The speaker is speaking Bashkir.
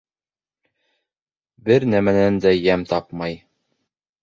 Бер нәмәнән дә йәм тапмай.